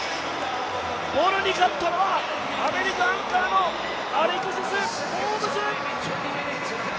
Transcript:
ボルに勝ったのは、アメリカアンカーのホームズ。